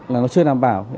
là nó chưa đảm bảo